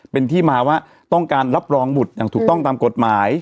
เป็นที่มาว่าต้องการรับรองบุตรอย่างถูกต้องตามกฎหมาย